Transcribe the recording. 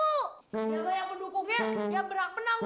yang banyak pendukungnya yang berat menang bu